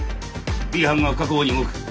Ｂ班が確保に動く。